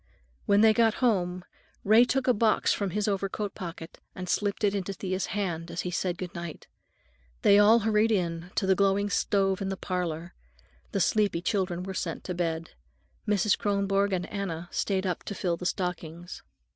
When they got home, Ray took a box from his overcoat pocket and slipped it into Thea's hand as he said goodnight. They all hurried in to the glowing stove in the parlor. The sleepy children were sent to bed. Mrs. Kronborg and Anna stayed up to fill the stockings.